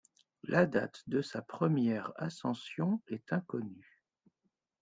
La date de sa première ascension est inconnue.